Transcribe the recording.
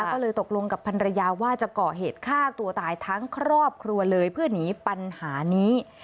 ก็เลยตกลงกับพันรยาว่าจะก่อเหตุฆ่าตัวตายทั้งครอบครัวเลยเพื่อหนีปัญหานี้